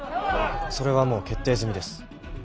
それはもう決定済みです。